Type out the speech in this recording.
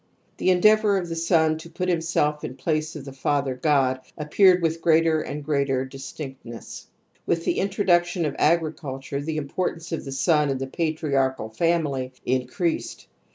The^deavour of the. son to put himself in ^: place of the father god, yAppeared with greater ^ and greater distinctness. With the introduc tion of agriculture the importance of the son in the patriarchal family increased.